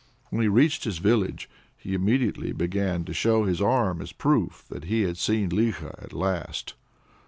When he reached his village, he immediately began to show his arm as a proof that he had seen Likho at last.